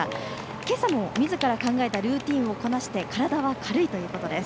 今朝もみずから考えたルーチンをこなして体は軽いということです。